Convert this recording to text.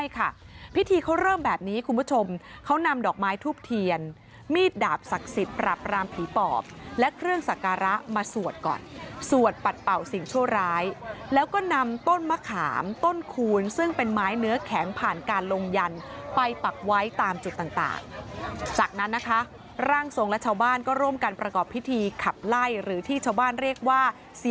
ใช่ค่ะพิธีเขาเริ่มแบบนี้คุณผู้ชมเขานำดอกไม้ทูบเทียนมีดดาบศักดิ์สิทธิ์ปราบรามผีปอบและเครื่องสักการะมาสวดก่อนสวดปัดเป่าสิ่งชั่วร้ายแล้วก็นำต้นมะขามต้นคูณซึ่งเป็นไม้เนื้อแข็งผ่านการลงยันไปปักไว้ตามจุดต่างจากนั้นนะคะร่างทรงและชาวบ้านก็ร่วมกันประกอบพิธีขับไล่หรือที่ชาวบ้านเรียกว่า